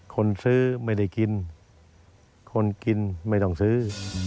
คนซื้อไม่ได้กินคนกินไม่ต้องซื้อ